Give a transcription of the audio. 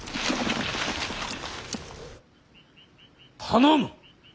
頼む。